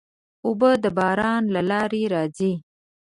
اوبه د باران له لارې راځي.